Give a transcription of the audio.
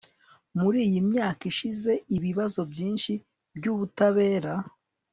muri iyi myaka ishize, ibibazo byinshi by'ubutabera